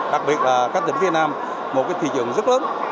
đặc biệt là các tỉnh phía nam một thị trường rất lớn